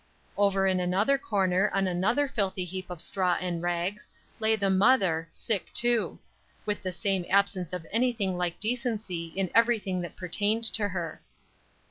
Over in another corner on another filthy heap of straw and rags, lay the mother, sick too; with the same absence of anything like decency in everything that pertained to her.